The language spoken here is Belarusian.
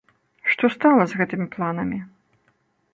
Што стала з гэтымі планамі?